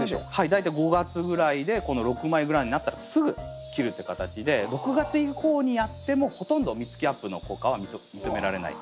大体５月ぐらいでこの６枚ぐらいになったらすぐ切るっていう形で６月以降にやってもほとんど実つきアップの効果は認められない。